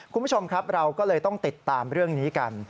คุณผู้ชมครับเราก็เลยต้องติดตามเรื่องนี้กัน